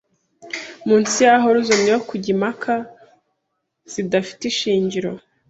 Munsi ya horizon yo kujya impaka zidafite ishingiro